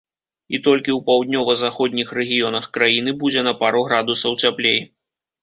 І толькі ў паўднёва-заходніх рэгіёнах краіны будзе на пару градусаў цяплей.